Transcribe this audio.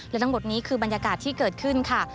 และทั้งหมดนี้คือบรรยากาศที่เกิดขึ้นค่ะ